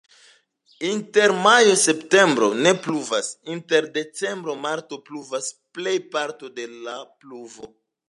Inter majo-septembro ne pluvas, inter decembro-marto pluvas plejparto de la pluvo.